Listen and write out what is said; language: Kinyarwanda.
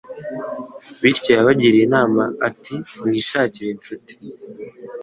Bityo yabagiriye inama ati 'mwishakire incuti